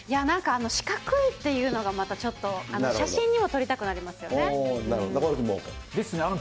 なんか四角いっていうのがまたちょっと写真にも撮りたくなりなるほど、中丸君も。ですね。